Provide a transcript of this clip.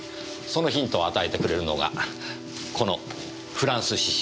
そのヒントを与えてくれるのがこのフランス詩集です。